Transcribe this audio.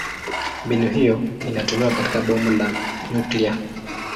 Mbinu hiyo inatumiwa katika bomu la nyuklia.